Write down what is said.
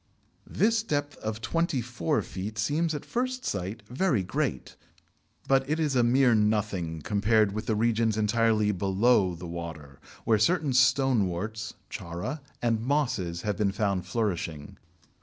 This depth of twenty four feet seems at first sight very great, but it is a mere nothing compared with the regions entirely below the water, where certain Stoneworts (Chara) and Mosses have been found flourishing.